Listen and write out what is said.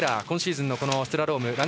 今シーズンのスラローム